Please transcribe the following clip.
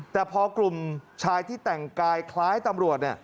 แต่พอกลุ่มชายที่แต่งกายคล้ายตำรวจ